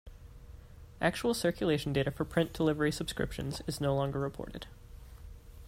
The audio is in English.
Actual circulation data for print delivery subscriptions is no longer reported.